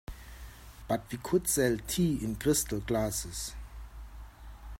But we could sell tea in crystal glasses.